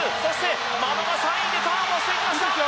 眞野が３位でターンをしていきました！